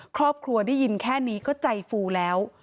ครอบครัวได้ยินแค่นี้ก็ใจฟูแล้ว